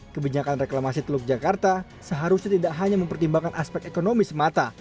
kebijakan reklamasi teluk jakarta seharusnya tidak hanya mempertimbangkan aspek ekonomi semata